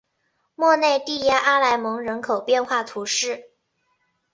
莫内蒂耶阿莱蒙人口变化图示